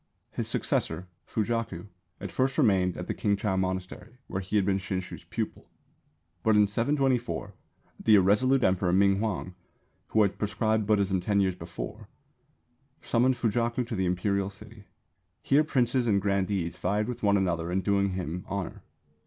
His successor, Fujaku, at first remained at the Kingchau monastery where he had been Shinshū's pupil. But in 724 the irresolute Emperor Ming huang, who had proscribed Buddhism ten years before, summoned Fujaku to the Imperial City. Here princes and grandees vied with one another in doing him honour.